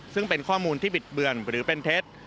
ซึ่งเป็นข้อมูลที่บิดเบือนหรือเป็นเท็จ